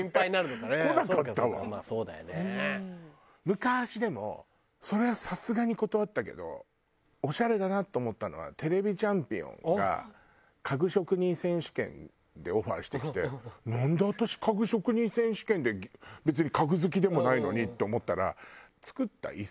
昔でもそれはさすがに断ったけどオシャレだなと思ったのは『ＴＶチャンピオン』が家具職人選手権でオファーしてきてなんで私家具職人選手権で別に家具好きでもないのにと思ったら。